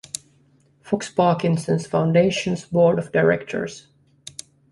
Fox Parkinson's Foundation's board of directors.